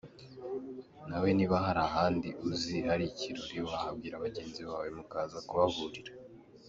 Nawe niba hari ahandi uzi hari ikirori wahabwira bagenzi bawe mukaza kuhahurira.